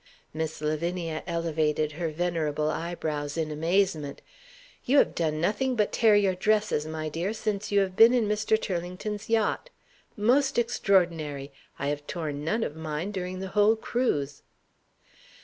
Miss Lavinia elevated her venerable eyebrows in amazement. "You have done nothing but tear your dresses, my dear, since you have been in Mr. Turlington's yacht. Most extraordinary! I have torn none of mine during the whole cruise."